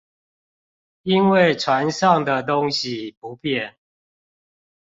因為船上的東西不變